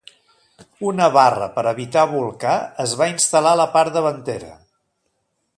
Una barra per evitar bolcar es va instal·lar a la part davantera.